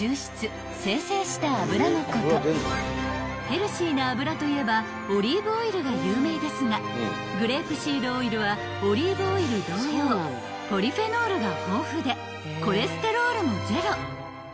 ［ヘルシーな油といえばオリーブオイルが有名ですがグレープシードオイルはオリーブオイル同様ポリフェノールが豊富でコレステロールもゼロ］